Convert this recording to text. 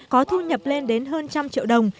có thu nhập lên đến hơn một trăm linh triệu đồng